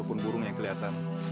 ingin mempercek ajarle ratunya